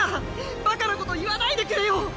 バカなこと言わないでくれよ。